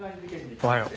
おはよう。